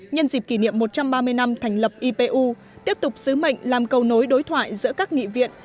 nhân dịp kỷ niệm một trăm ba mươi năm thành lập ipu tiếp tục sứ mệnh làm cầu nối đối thoại giữa các nghị viện